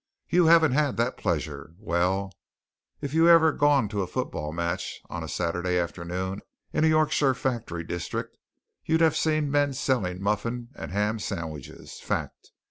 "You haven't had that pleasure? well, if you'd ever gone to a football match on a Saturday afternoon in a Yorkshire factory district, you'd have seen men selling muffin and ham sandwiches fact!